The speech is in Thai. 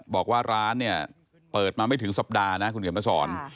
บอกว่าร้านเนี่ยเปิดมาไม่ถึงสัปดาห์นะคุณเขียนมาสอน